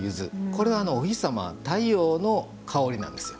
これは、お日様太陽の香りなんです。